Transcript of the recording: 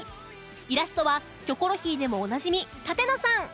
イラストは『キョコロヒー』でもおなじみタテノさん！